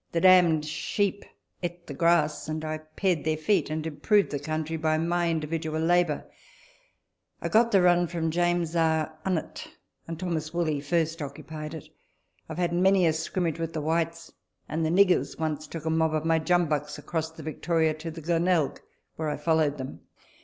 The damned sheep eat the grass, and I pared their feet, and improved the country by my individual labour. I got the run from James R. Unitt, and Thos. Woolley first occupied it. I have had many a scrimmage with the w r hites, and the niggers once took a mob of my "jumbuks" across the Victoria to the Glenelg, where I followed them.